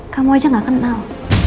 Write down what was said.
kamu aja nggak kenal